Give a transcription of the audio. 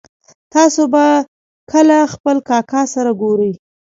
تاسو به کله خپل کاکا سره ګورئ